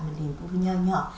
mình hiểu vô với nhỏ nhỏ